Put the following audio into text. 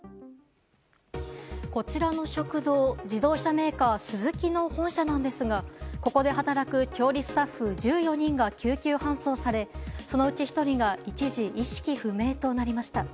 こちらの食堂、自動車メーカースズキの本社なんですがここで働く調理スタッフ１４人が救急搬送され、そのうち１人が一時意識不明となりました。